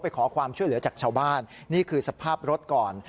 ขอความช่วยเหลือจากชาวบ้านนี่คือสภาพรถก่อน